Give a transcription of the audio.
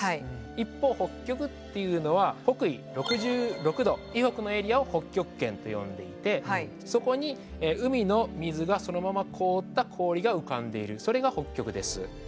一方北極っていうのは北緯６６度以北のエリアを北極圏と呼んでいてそこに海の水がそのまま凍った氷が浮かんでいるそれが北極です。